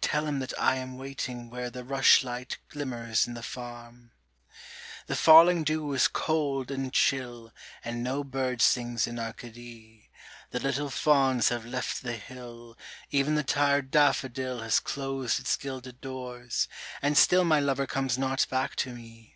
Tell him that I am waiting where The rushlight glimmers in the Farm. The falling dew is cold and chill, And no bird sings in Arcady, The little fauns have left the hill, Even the tired daffodil Has closed its gilded doors, and still My lover comes not back to me.